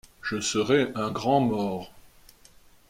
Je serai un grand mort.